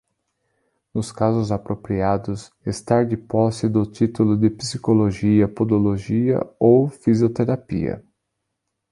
Nos casos apropriados, estar de posse do título de Psicologia, Podologia ou Fisioterapia.